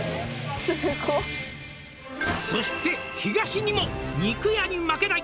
「そして東にも２９８に負けない」